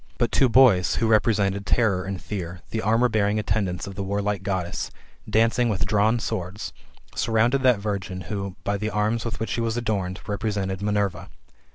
But two boys, who represented Terror and Fear, the armour bearing attendants of the warlike Goddess, dancing with drawn swords, surrounded that virgin who, by the arms with which she was adorned, represented Minerva.